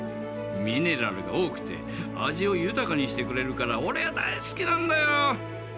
ミネラルが多くて味を豊かにしてくれるから俺は大好きなんだよ。